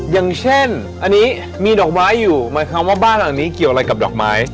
อย่างเช่นอันนี้มีดอกไม้อยู่หมายความว่าบ้านหลังนี้เกี่ยวอะไรกับดอกไม้